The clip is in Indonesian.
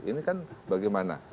ini kan bagaimana